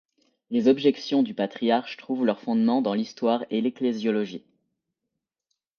Les objections du patriarche trouvent leurs fondements dans l'histoire et l'ecclésiologie.